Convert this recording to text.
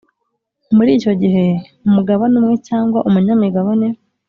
muri icyo gihe umugabane umwe cyangwa unyamigabane